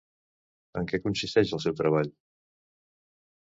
En què consisteix el seu treball?